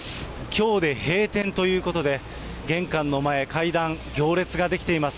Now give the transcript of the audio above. きょうで閉店ということで、玄関の前、階段、行列が出来ています。